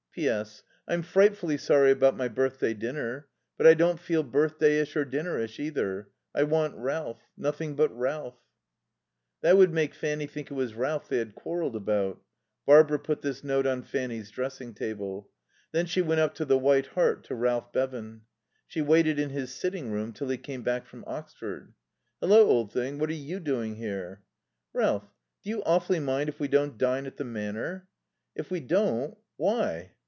"P.S. I'm frightfully sorry about my birthday dinner. But I don't feel birthdayish or dinnerish, either. I want Ralph. Nothing but Ralph." That would make Fanny think it was Ralph they had quarrelled about. Barbara put this note on Fanny's dressing table. Then she went up to the White Hart, to Ralph Bevan. She waited in his sitting room till he came back from Oxford. "Hallo, old thing, what are you doing here?" "Ralph do you awfully mind if we don't dine at the Manor?" "If we don't why?"